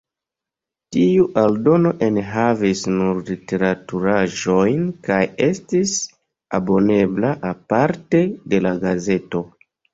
Tiu aldono enhavis nur literaturaĵojn kaj estis abonebla aparte de la gazeto.